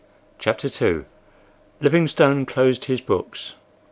CHAPTER II Livingstone closed his books.